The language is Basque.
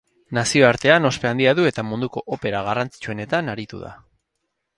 Nazioartean ospe handia du eta munduko opera garrantzitsuenetan aritu da.